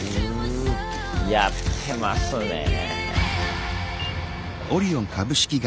やってますねぇ。